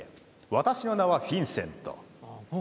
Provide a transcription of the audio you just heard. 私の名はフィンセント。